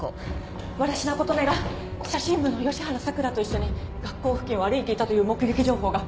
藁科琴音が写真部の吉原さくらと一緒に学校付近を歩いていたという目撃情報が。